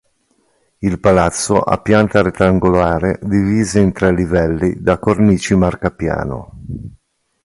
Il palazzo ha pianta rettangolare divisa in tre livelli da cornici marcapiano.